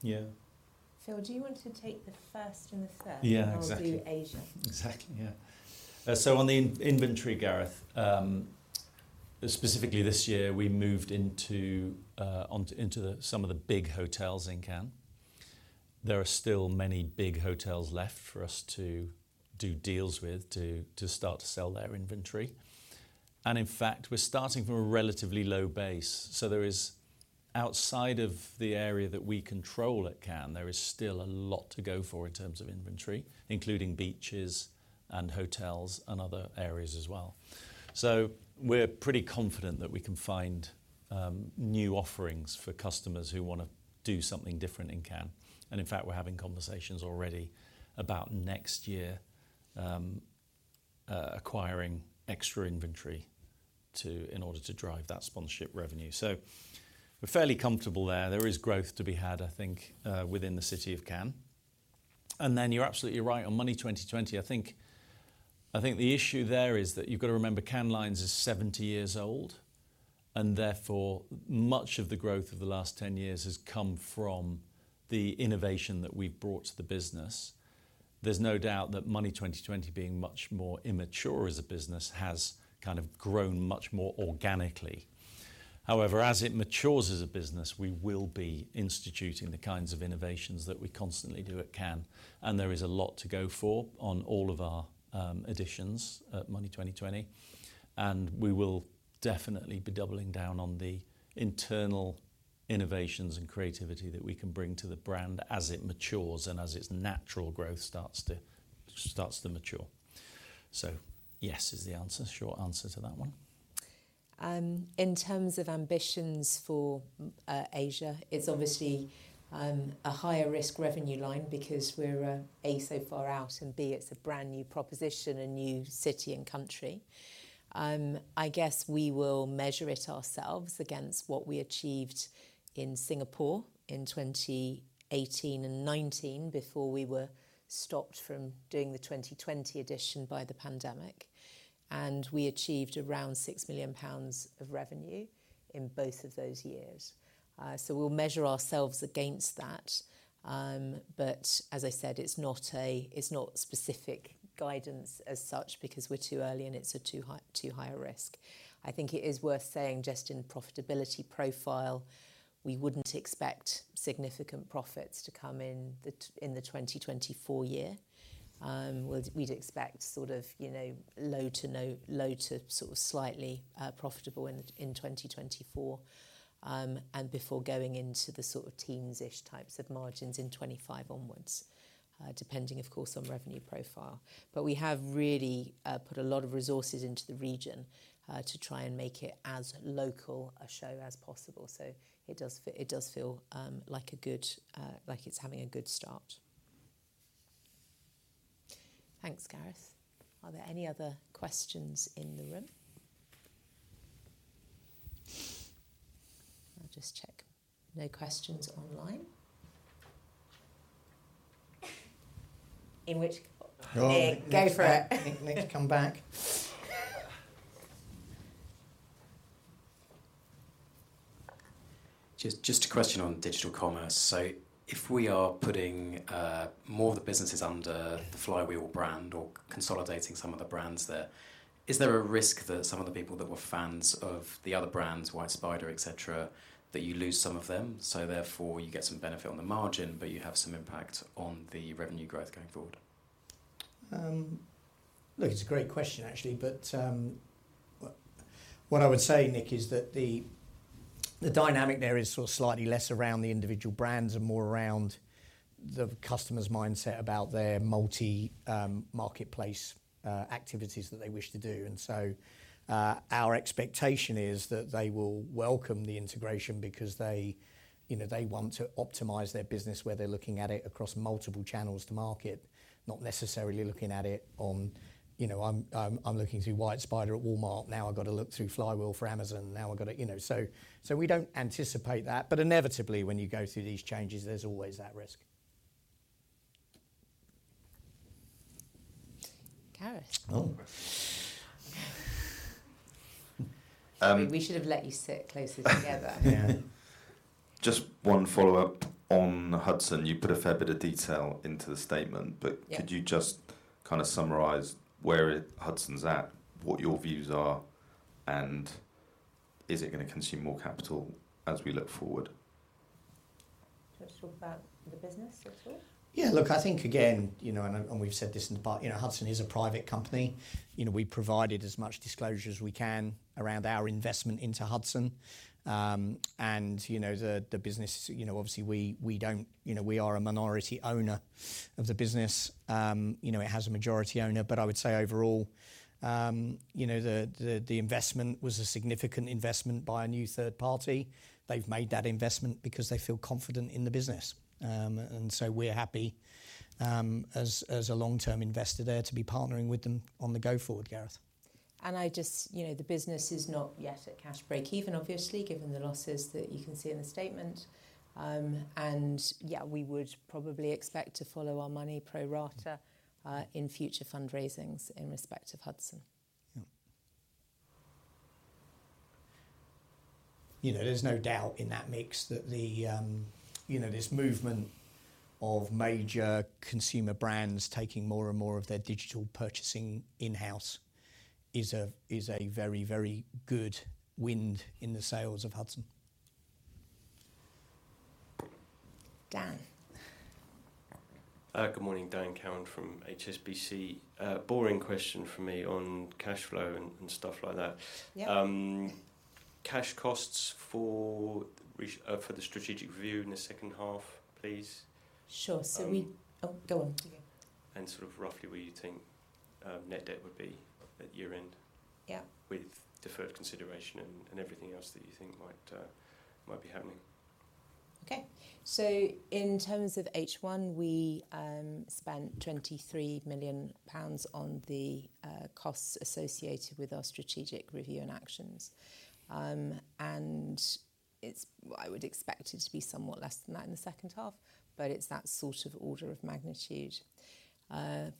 Yeah. Phil, do you want to take the first and the third- Yeah, exactly. I'll do Asia. Exactly, yeah. So on the inventory, Gareth, specifically this year, we moved into onto into some of the big hotels in Cannes. There are still many big hotels left for us to do deals with, to start to sell their inventory, and in fact, we're starting from a relatively low base. So there is outside of the area that we control at Cannes, there is still a lot to go for in terms of inventory, including beaches and hotels and other areas as well. So we're pretty confident that we can find new offerings for customers who wanna do something different in Cannes, and in fact, we're having conversations already about next year, acquiring extra inventory in order to drive that sponsorship revenue. So we're fairly comfortable there. There is growth to be had, I think, within the city of Cannes. And then you're absolutely right on Money20/20. I think, I think the issue there is that you've got to remember, Cannes Lions is 70 years old, and therefore, much of the growth of the last 10 years has come from the innovation that we've brought to the business. There's no doubt that Money20/20, being much more immature as a business, has kind of grown much more organically. However, as it matures as a business, we will be instituting the kinds of innovations that we constantly do at Cannes, and there is a lot to go for on all of our editions at Money20/20. We will definitely be doubling down on the internal innovations and creativity that we can bring to the brand as it matures and as its natural growth starts to mature. So yes is the answer, short answer to that one. In terms of ambitions for Asia, it's obviously a higher risk revenue line because we're A, so far out, and B, it's a brand-new proposition, a new city and country. I guess we will measure it ourselves against what we achieved in Singapore in 2018 and 2019 before we were stopped from doing the 2020 edition by the pandemic. We achieved around 6 million pounds of revenue in both of those years. So we'll measure ourselves against that. But as I said, it's not specific guidance as such because we're too early, and it's too high a risk. I think it is worth saying, just in profitability profile, we wouldn't expect significant profits to come in the 2024 year. We'd expect sort of, you know, low to sort of slightly profitable in 2024, and before going into the sort of teens-ish types of margins in 2025 onwards, depending, of course, on revenue profile... but we have really put a lot of resources into the region to try and make it as local a show as possible. So it does feel like a good, like it's having a good start. Thanks, Gareth. Are there any other questions in the room? I'll just check. No questions online. In which- Oh! Go for it. Nick, Nick, come back. Just, just a question on digital commerce. So if we are putting more of the businesses under the Flywheel brand or consolidating some of the brands there, is there a risk that some of the people that were fans of the other brands, Whyte Spyder, et cetera, that you lose some of them? So therefore, you get some benefit on the margin, but you have some impact on the revenue growth going forward. Look, it's a great question, actually, but what I would say, Nick, is that the dynamic there is sort of slightly less around the individual brands and more around the customer's mindset about their multi marketplace activities that they wish to do. And so, our expectation is that they will welcome the integration because they, you know, they want to optimize their business where they're looking at it across multiple channels to market, not necessarily looking at it on, you know, I'm looking through Whyte Spyder at Walmart, now I've got to look through Flywheel for Amazon. Now I've got to... You know. So we don't anticipate that, but inevitably, when you go through these changes, there's always that risk. Gareth? Oh. We should have let you sit closer together. Yeah. Just one follow-up on Hudson. You put a fair bit of detail into the statement, but- Yeah... could you just kind of summarize where Hudson's at, what your views are, and is it going to consume more capital as we look forward? Just talk about the business, sort of? Yeah, look, I think again, you know, we've said this in the past, you know, Hudson is a private company. You know, we provided as much disclosure as we can around our investment into Hudson. You know, the business, you know, obviously we don't... You know, we are a minority owner of the business. You know, it has a majority owner, but I would say overall, you know, the investment was a significant investment by a new third party. They've made that investment because they feel confident in the business. You know, and so we're happy, as a long-term investor there to be partnering with them on the go forward, Gareth. I just, you know, the business is not yet at cash break-even, obviously, given the losses that you can see in the statement. And yeah, we would probably expect to follow our money pro rata in future fundraisings in respect of Hudson. Yeah. You know, there's no doubt in that mix that the, you know, this movement of major consumer brands taking more and more of their digital purchasing in-house is a, is a very, very good wind in the sales of Hudson. Dan? Good morning. Dan Cowan from HSBC. Boring question from me on cash flow and, and stuff like that. Yeah. Cash costs for the strategic review in the second half, please? Sure. Um- Oh, go on. Yeah. Sort of roughly where you think net debt would be at year-end? Yeah... with deferred consideration and everything else that you think might be happening. Okay. So in terms of H1, we spent 23 million pounds on the costs associated with our strategic review and actions. And it's - I would expect it to be somewhat less than that in the second half, but it's that sort of order of magnitude.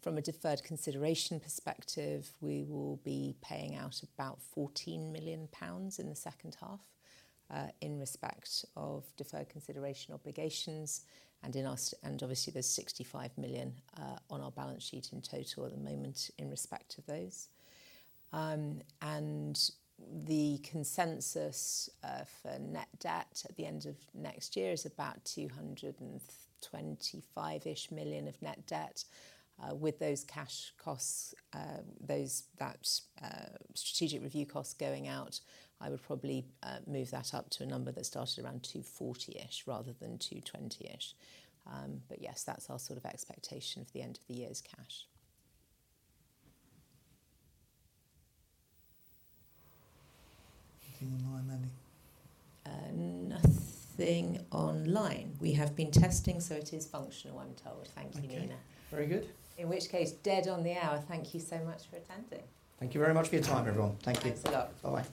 From a deferred consideration perspective, we will be paying out about 14 million pounds in the second half, in respect of deferred consideration obligations, and in our - and obviously there's 65 million on our balance sheet in total at the moment in respect to those. And the consensus for net debt at the end of next year is about 225-ish million of net debt. With those cash costs, those, that strategic review costs going out, I would probably move that up to a number that starts around 240-ish rather than 220-ish. Yes, that's our sort of expectation for the end of the year's cash. Anything online, Annie? Nothing online. We have been testing, so it is functional, I'm told. Okay. Thank you, Nina. Very good. In which case, dead on the hour. Thank you so much for attending. Thank you very much for your time, everyone. Thank you. Thanks a lot. Bye-bye.